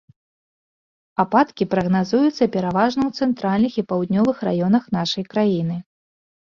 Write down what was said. Ападкі прагназуюцца пераважна ў цэнтральных і паўднёвых раёнах нашай краіны.